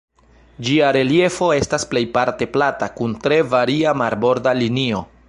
Ĝia reliefo estas plejparte plata, kun tre varia marborda linio.